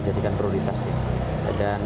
jadikan prioritas dan